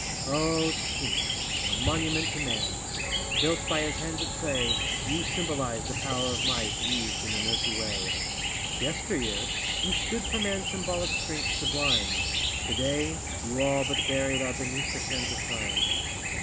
O Sphinx — a monument to man! Built by his hands of clay, You symbolize the power of might Used in an earthy way. Yesteryear, you stood for man's symbolic strength sublime, Today, you all but buried are Beneath the sands of time.